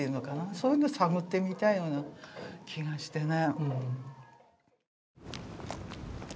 そういうの探ってみたいような気がしてね。